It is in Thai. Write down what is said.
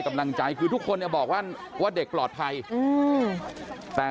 อยากจะเห็นว่าลูกเป็นยังไงอยากจะเห็นว่าลูกเป็นยังไง